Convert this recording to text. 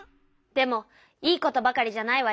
でもいいことばかりじゃないわよ。